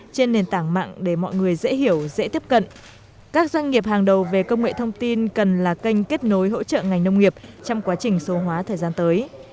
trên nền tảng mạng để mọi người dễ hiểu dễ tiếp cận các doanh nghiệp hàng đầu về công nghệ thông tin cần là kênh kết nối hỗ trợ ngành nông nghiệp trong quá trình số hóa thời gian tới